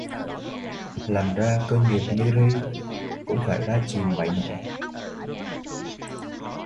Làm ra cơ nghiệp như ri cũng phải ba chìm bảy nổi